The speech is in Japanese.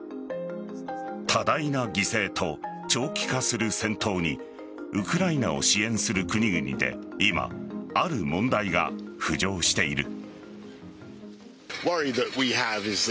多大な犠牲と長期化する戦闘にウクライナを支援する国々で今、ある問題が浮上している。